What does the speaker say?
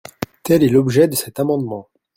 Tel est l’objet de cet amendement.